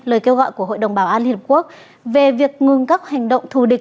lời kêu gọi của hội đồng bảo an liên hợp quốc về việc ngừng các hành động thù địch